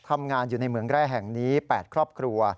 ทำงานอยู่ในเมืองแร่แห่งนี้๘ครอบครัว